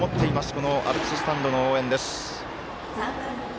このアルプススタンドの応援です。